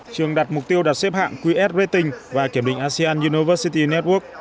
trường đặt mục tiêu đặt xếp hạng qs rating và kiểm định asean university network